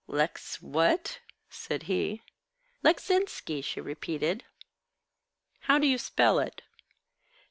"Lecz what?" said he. "Leczinski," she repeated. "How do you spell it?"